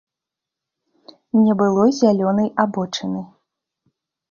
Не было і зялёнай абочыны.